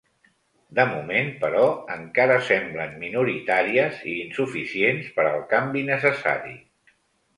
De moment, però, encara semblen minoritàries i insuficients per al canvi necessari.